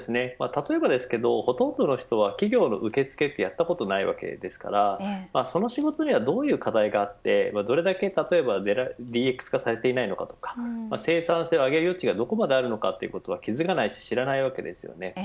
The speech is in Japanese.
例えばですけどほとんどの人は企業の受付はやったことがないわけですからその仕事にはどんな課題があってどれだけＤＸ化されていないとか生産性を上げる余地がどれだけあるのかほとんどの人は知らないわけです。